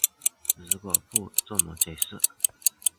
如果不这么解释